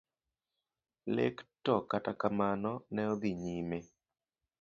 Lek to kata kamano ne odhi nyime.